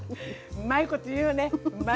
うまいこと言うよね